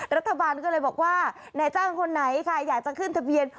รัฐบาลก็เลยบอกว่านายจ้างคนไหนค่ะอยากจะขึ้นทะเบียน